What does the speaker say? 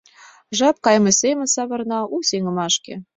Жап кайыме семын савырна у сеҥымашке.